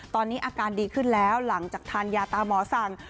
ตอนนี้อาการดีขึ้นแล้วหลังจากทานยาตามหมอสั่ง